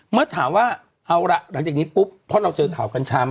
เมื่อถามว่าเอาล่ะหลังจากนี้ปุ๊บเพราะเราเจอข่าวกัญชา